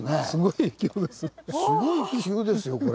すごい急ですよこれ。